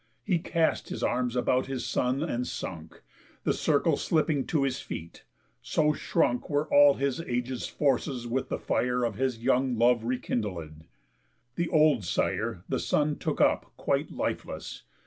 He cast his arms about his son and sunk, The circle slipping to his feet; so shrunk Were all his age's forces with the fire Of his young love rekindled. The old sire The son took up quite lifeless.